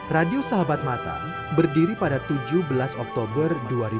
radio sahabat mata berdiri pada tujuh belas oktober dua ribu dua puluh